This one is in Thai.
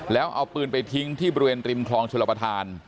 แล้วเอาปืนไปทิ้งที่บริเวณริมคลองชลประธาน